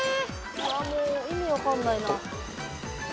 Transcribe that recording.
わあもう意味分かんないな。